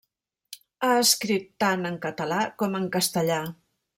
Ha escrit tant en català com en castellà.